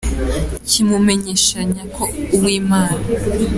kimumenyeshanya ko ‘Uwimana.